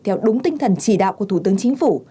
theo đúng tinh thần chỉ đạo của thủ tướng chính phủ